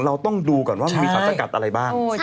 เราต้องดูก่อนว่ามีสารสกัดอะไรบ้าง